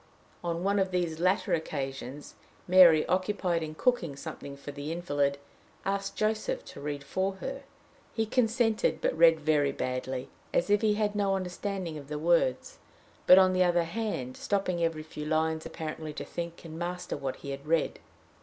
On one of these latter occasions, Mary, occupied in cooking something for the invalid, asked Joseph to read for her. He consented, but read very badly as if he had no understanding of the words, but, on the other hand, stopping every few lines, apparently to think and master what he had read.